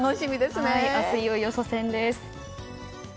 明日いよいよ初戦です。